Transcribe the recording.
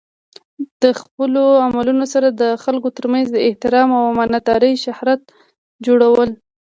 د خپلو عملونو سره د خلکو ترمنځ د احترام او امانت دارۍ شهرت جوړول.